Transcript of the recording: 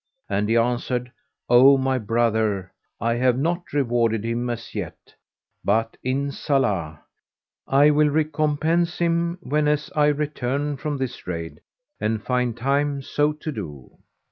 and he answered, "O my brother, I have not rewarded him as yet, but Inshallah! I will recompense him whenas I return from this raid and find time so to do."